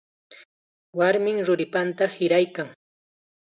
Warmim ruripanta hiraykan.